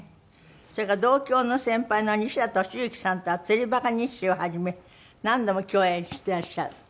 それから同郷の先輩の西田敏行さんとは『釣りバカ日誌』をはじめ何度も共演していらっしゃる。